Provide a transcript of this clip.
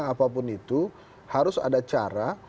apapun itu harus ada cara